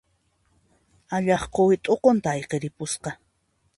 Allaq quwi t'uqunta ayqiripusqa.